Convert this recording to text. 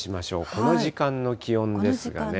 この時間の気温ですね。